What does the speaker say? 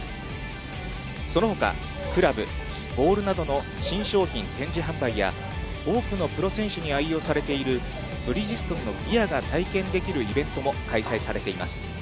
そのほか、クラブ、ボールなどの新商品展示販売や、多くのプロ選手に愛用されているブリヂストンのギアが体験できるイベントも開催されています。